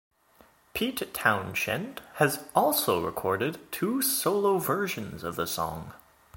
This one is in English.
Pete Townshend has also recorded two solo versions of the song.